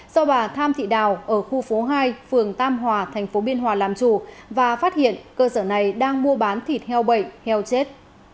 do bà tham thị đào ở khu phố hai phường tam hòa thành phố biên hòa làm chủ và phát hiện cơ sở này đang mua bán thịt heo bệnh heo chết